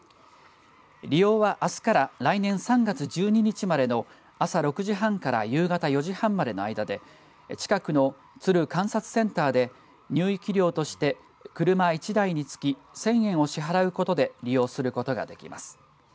利用は、あすから来年３月１２日までの朝６時半から夕方４時半までの間で近くの鶴観察センターで入域料として車１台につき１０００円を支払うことで利用することができます。